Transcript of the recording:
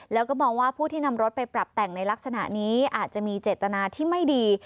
แล้วก็มองว่าผู้ที่นำรถไปปรับแต่งในลักษณะนี้อาจจะมีเจตนาที่ไม่ดี